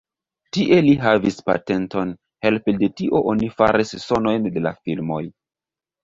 Tie li havis patenton, helpe de tio oni faris sonojn de la filmoj.